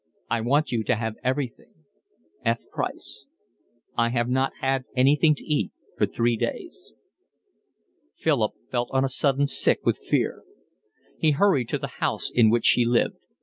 I want you to have everything. F. Price I have not had anything to eat for three days. Philip felt on a sudden sick with fear. He hurried to the house in which she lived.